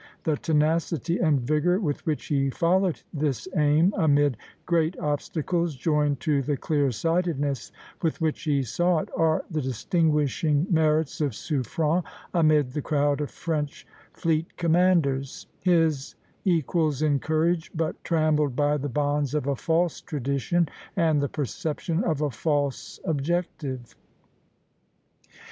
The tenacity and vigor with which he followed this aim, amid great obstacles, joined to the clear sightedness with which he saw it, are the distinguishing merits of Suffren amid the crowd of French fleet commanders, his equals in courage, but trammelled by the bonds of a false tradition and the perception of a false objective.